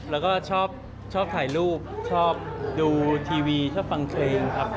แล้วก็ชอบถ่ายรูปชอบดูทีวีชอบฟังเพลงครับ